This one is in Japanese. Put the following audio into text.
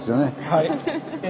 はい。